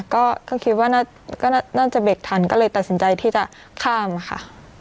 ก็คิดว่าก็น่าจะเบรกทันก็เลยตัดสินใจที่จะข้ามค่ะ